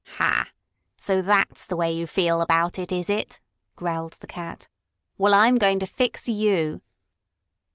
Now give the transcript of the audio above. "Ha! So that's the way you feel about it, is it?" growled the cat. "Well, I'm going to fix you!"